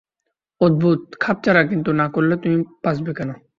অদ্ভুত, খাপছাড়া কিছু না করলে তুমি বাঁচবে কেন?